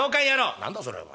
「何だそれお前。